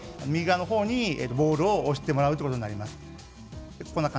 そこにボールを押してもらうということになります。